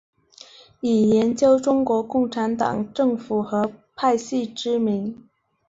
以研究中国共产党政治和派系知名。